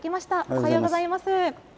おはようございます。